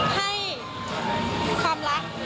ให้ความรัก